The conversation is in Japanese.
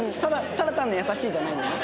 ただ単に優しいじゃないのね。